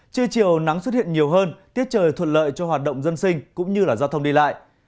trưa chiều nắng xuất hiện nhiều hơn tiết trời thuận lợi cho hoạt động dân sinh cũng như là giao thông đi lại